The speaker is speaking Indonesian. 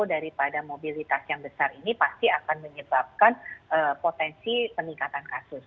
dan mobilitas yang besar ini pasti akan menyebabkan potensi peningkatan kasus